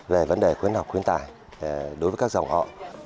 về vấn đề khuyến học khuyến tài đối với các dòng họ